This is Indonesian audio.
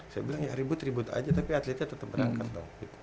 saya bilang ya ribut ribut aja tapi atletnya tetap berangkat dong